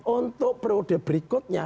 untuk periode berikutnya